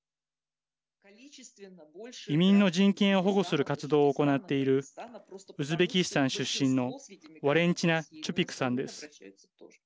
移民の人権を保護する活動を行っているウズベキスタン出身のワレンチナ・チュピクさんです。